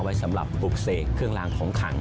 ไว้สำหรับปลูกเสกเครื่องลางของขัง